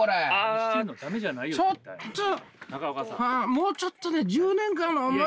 もうちょっとね１０年間の思いがね。